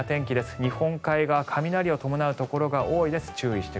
日本海側雷を伴うところが多いです。